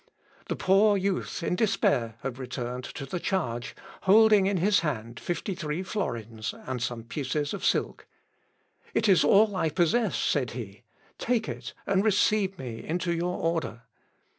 The poor youth in despair had returned to the charge, holding in his hand fifty three florins and some pieces of silk. "It is all I possess," said he, "take it, and receive me into your order."